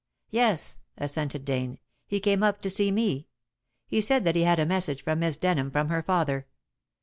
"Yes," assented Dane, "he came up to see me. He said that he had a message for Miss Denham from her father.